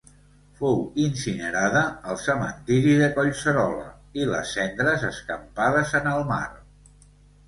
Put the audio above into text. Fou incinerada al Cementiri de Collserola i les cendres escampades en el mar.